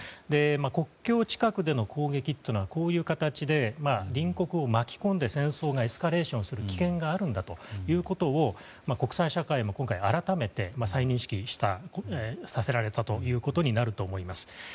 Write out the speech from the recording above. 国境近くでの攻撃というのはこういう形で隣国を巻き込んで戦争がエスカレーションする危険があるんだということを国際社会も今回、改めて再認識させられたことになると思います。